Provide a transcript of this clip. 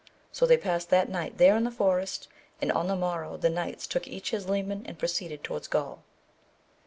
So they passed that night there in the forest, and on the morrow the knights took each his leman and proceeded towards Gaul.